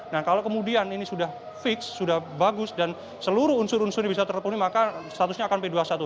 nah kalau kemudian ini sudah fix sudah bagus dan seluruh unsur unsur ini bisa terpenuhi maka statusnya akan p dua puluh satu